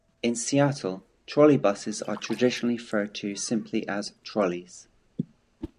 In Seattle, trolleybuses are traditionally referred to simply as "trolleys".